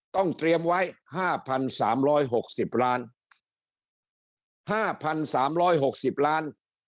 ต้องเตรียมไว้ห้าพันสามร้อยหกสิบล้านห้าพันสามร้อยหกสิบล้าน